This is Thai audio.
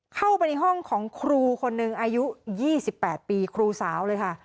เข้าไปในห้องของครูคนนึงอายุยี่สิบแปดปีครูสาวเลยค่ะ